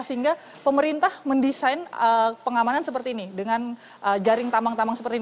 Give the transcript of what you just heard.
sehingga pemerintah mendesain pengamanan seperti ini dengan jaring tambang tambang seperti ini